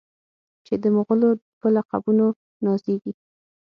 چې د مغلو په لقبونو نازیږي.